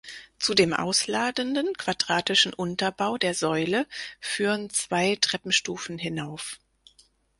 Zu dem ausladenden, quadratischen Unterbau der Säule führen zwei Treppenstufen hinauf.